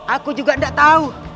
aku juga gak tau